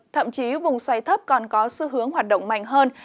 thậm chí vùng xoay thấp còn có xu hướng hoạt động mạnh hơn